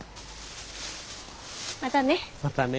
またね。